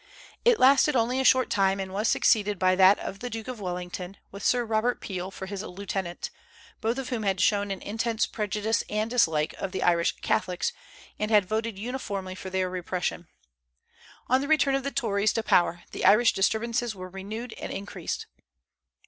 It lasted only a short time, and was succeeded by that of the Duke of Wellington, with Sir Robert Peel for his lieutenant; both of whom had shown an intense prejudice and dislike of the Irish Catholics, and had voted uniformly for their repression. On the return of the Tories to power, the Irish disturbances were renewed and increased.